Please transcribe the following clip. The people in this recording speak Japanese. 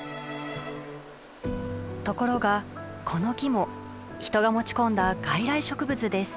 ところがこの木も人が持ち込んだ外来植物です。